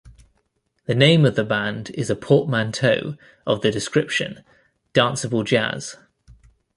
The name of the band is a portmanteau of the description "danceable jazz".